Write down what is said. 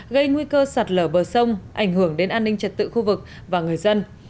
gây nguy cơ sạt lở bờ sông ảnh hưởng đến an ninh trật tự khu vực và người dân